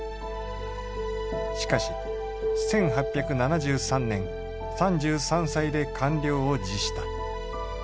しかし１８７３年３３歳で官僚を辞した。